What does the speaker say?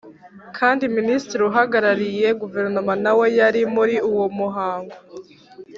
kandi Minisitiri uhagarariye Guverinoma nawe yari muri uwo muhango